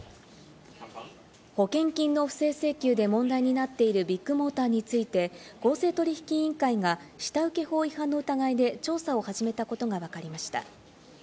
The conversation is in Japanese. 保険金の不正請求で問題になっているビッグモーターについて、公正取引委員会が下請法違反の疑いで調査を始めたことがわかりました。